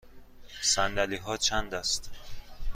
صندلی ها چند است؟